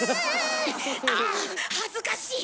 ああっ恥ずかしい！